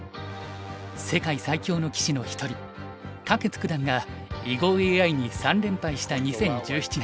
世界最強の棋士の一人柯潔九段が囲碁ＡＩに３連敗した２０１７年。